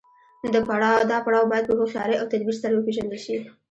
دا پړاو باید په هوښیارۍ او تدبیر سره وپیژندل شي.